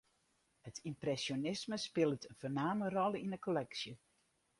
It ympresjonisme spilet in foarname rol yn 'e kolleksje.